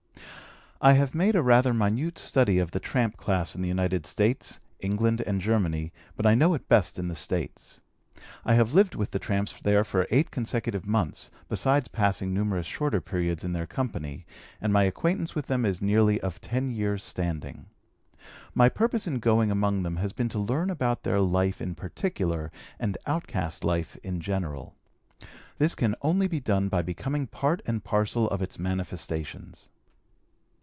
I have made a rather minute study of the tramp class in the United States, England, and Germany, but I know it best in the States. I have lived with the tramps there for eight consecutive months, besides passing numerous shorter periods in their company, and my acquaintance with them is nearly of ten years' standing. My purpose in going among them has been to learn about their life in particular and outcast life in general. This can only be done by becoming part and parcel of its manifestations.